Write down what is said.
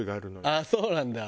ああそうなんだ。